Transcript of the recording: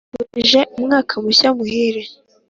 Tukwifurije umwaka mushya muhire